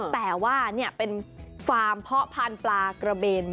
แต่ว่านี่เป็นฟาร์มเพาะพันธุ์ปลากระเบน